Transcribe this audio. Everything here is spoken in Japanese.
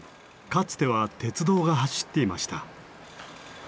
かつては鉄道が走っていました。